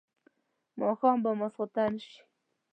ماښام به ماخستن شي.